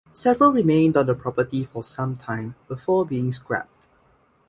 Several remained on the property for some time before being scrapped.